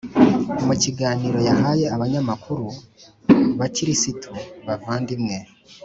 mu kiganiro yahaye abanyamakuru bakirisitu bavandimwe